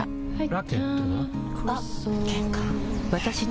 ラケットは？